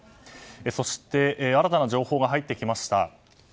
そして新たな情報が入ってきました。